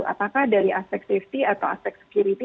apakah dari aspek safety atau aspek security